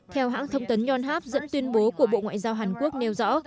theo hãng thông tấn yonhap dẫn tuyên bố của bộ ngoại giao hàn quốc nêu rõ